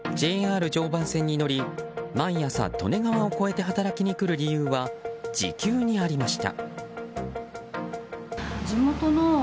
ＪＲ常磐線に乗り毎朝、利根川を越えて働きに来る理由は時給にありました。